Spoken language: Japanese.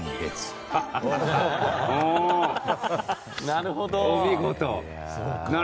なるほどね。